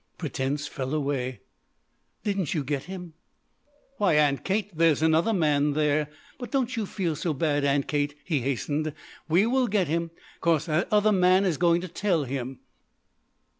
Pretense fell away. "Didn't you get him?" "Why, Aunt Kate, there's another man there. But don't you feel so bad, Aunt Kate," he hastened. "We will get him, 'cause that other man is going to tell him."